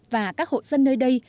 và các hộ dân nơi đây